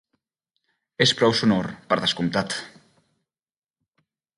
És prou sonor, per descomptat.